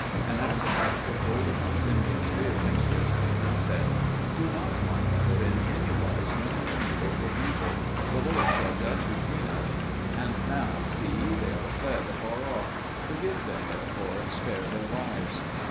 And Aseneth took hold upon Simeon's beard and kissed him, and said, "Do not, my brother, in anywise render evil for evil: the Lord shall judge between us; and now, see, they are fled afar off. Forgive them, therefore, and spare their lives."